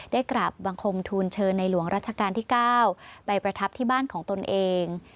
ได้กราบบังคมทูลเชิญในหลวงรัชกาลที่๙ไปประทับที่บ้านของตนเอง